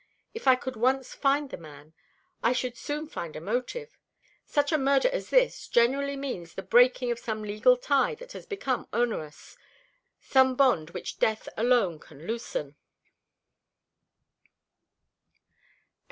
If I could once find the man, I should soon find the motive. Such a murder as this generally means the breaking of some legal tie that has become onerous some bond which death alone can loosen."